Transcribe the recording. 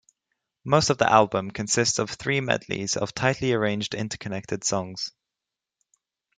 Most of the album consists of three medleys of tightly arranged interconnected songs.